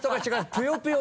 「ぷよぷよ」